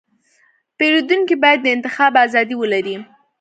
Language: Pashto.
پیرودونکی باید د انتخاب ازادي ولري.